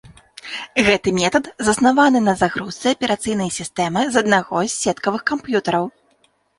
Гэты метад заснаваны на загрузцы аперацыйнай сістэмы з аднаго з сеткавых камп'ютараў.